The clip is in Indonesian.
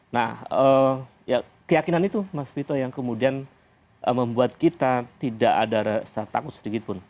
nah keyakinan itu mas vito yang kemudian membuat kita tidak ada rasa takut sedikitpun